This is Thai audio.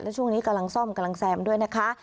และช่วงนี้กำลังซ่อมกำลังแซมด้วยนะคะ